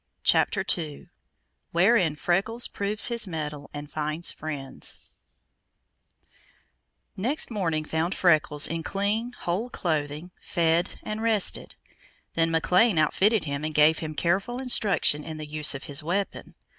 CHAPTER II Wherein Freckles Proves His Mettle and Finds Friends Next morning found Freckles in clean, whole clothing, fed, and rested. Then McLean outfitted him and gave him careful instruction in the use of his weapon.